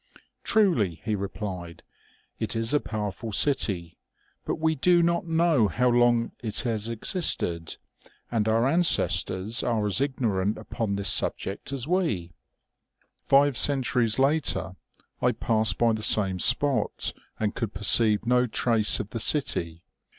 ( Truly,' he replied, 4 it is a powerful city, but we do not know how long it has existed, and our ancestors are as ignorant upon this subject as we.' OMEGA. 207 THE CHINESE CAPITOL. " Five centuries later I passed by the same spot, and could perceive no trace of the city.